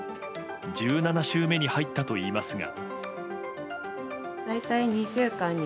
１７週目に入ったといいますが。